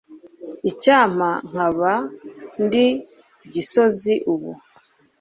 icyampa nkaba ndi gisozi ubu